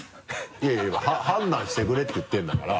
いやいや判断してくれって言ってるんだから。